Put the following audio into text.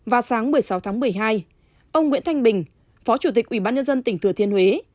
và sáng một mươi sáu tháng một mươi hai ông nguyễn thanh bình phó chủ tịch ubnd tỉnh thừa thiên huế